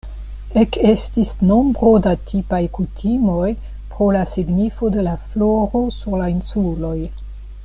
Ekestis nombro da tipaj kutimoj pro la signifo de la floro sur la insuloj.